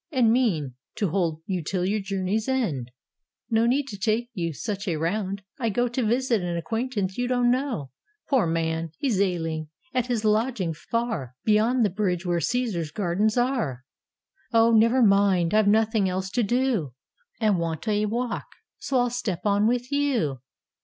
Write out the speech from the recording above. And mean to hold you till your journey's end." 406 A ROMAN BORE "No need to take you such a round: I go To visit an acquaintance you don't know: Poor man! he's ailing at his lodging, far Beyond the bridge where Caesar's gardens are." "Oh, never mind: I've nothing else to do, And want a walk, so I'll step on with you."